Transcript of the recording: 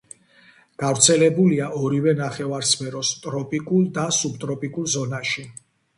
გავრცელებულია ორივე ნახევარსფეროს ტროპიკულ და სუბტროპიკულ ზონაში.